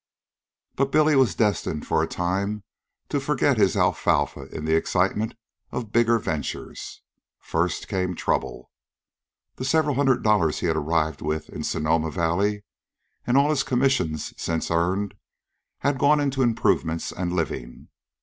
But Billy was destined for a time to forget his alfalfa in the excitement of bigger ventures. First, came trouble. The several hundred dollars he had arrived with in Sonoma Valley, and all his own commissions since earned, had gone into improvements and living.